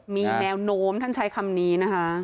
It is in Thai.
มีแนวโน้มท่านใช้คำนี้นะคะ